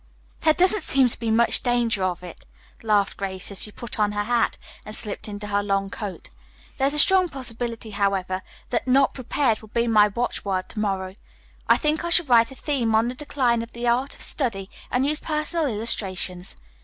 "There doesn't seem to be much danger of it," laughed Grace, as she put on her hat and slipped into her long coat. "There is a strong possibility, however, that 'not prepared' will be my watchword to morrow. I think I shall write a theme on the decline of the art of study and use personal illustrations.